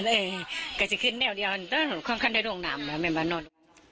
ตอนนั้นก็จะขึ้นแนวเดียวค่อนข้างได้ร่วงนามแล้วไม่มานอน